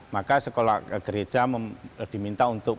maka sekolah gereja diminta untuk